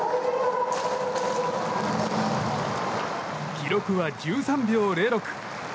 記録は１３秒０６。